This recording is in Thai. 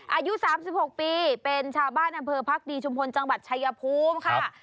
อายุ๓๖ปีเป็นชาวบ้านอำเภอพักดีชุมพลจังหวัดชายภูมิค่ะ